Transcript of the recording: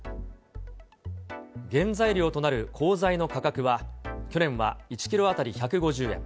原材料となる鋼材の価格は、去年は１キロ当たり１５０円。